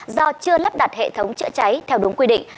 do chưa lắp đặt hệ thống chữa cháy theo đúng quy định